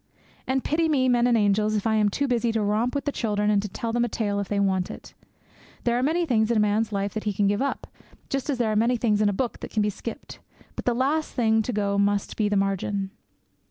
And pity me, men and angels, if I am too busy to romp with the children and to tell them a tale if they want it! There are many things in a man's life that he can give up, just as there are many things in a book that can be skipped, but the last thing to go must be the margin.